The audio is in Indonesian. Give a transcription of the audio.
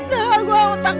nengok gua otak